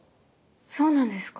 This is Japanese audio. そうなんですか？